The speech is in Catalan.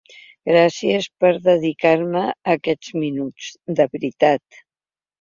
Gràcies per dedicar-me aquests minuts, de veritat.